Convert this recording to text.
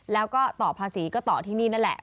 แล้วก็ต่อภาษีก็ต่อที่นี่นั่นแหละ